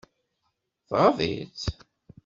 Tɣaḍ-itt.